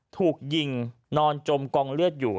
ถูกยิงนอนจมกองเลือดอยู่